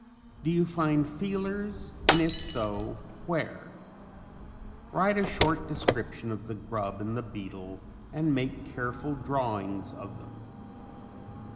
Do you find feelers and if so where? Write a short description of the grub and the beetle and make careful drawings of them.